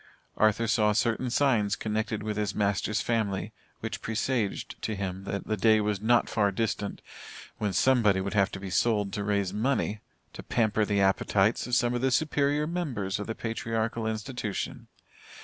Arthur saw certain signs connected with his master's family which presaged to him that the day was not far distant, when somebody would have to be sold to raise money to pamper the appetites of some of the superior members of the patriarchal institution.